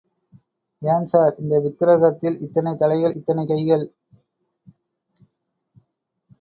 ஏன் சார், இந்த விக்ரகத்தில் இத்தனை தலைகள், இத்தனை கைகள்?